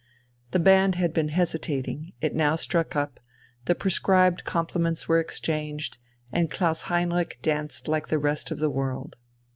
The band had been hesitating, it now struck up, the prescribed compliments were exchanged, and Klaus Heinrich danced like the rest of the world.